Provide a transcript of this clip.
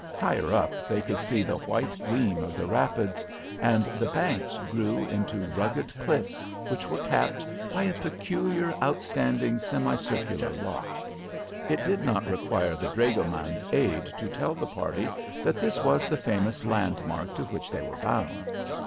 Higher up they could see the white gleam of the rapids, and the banks grew into rugged cliffs, which were capped by a peculiar, outstanding, semicircular rock. It did not require the dragoman's aid to tell the party that this was the famous landmark to which they were bound.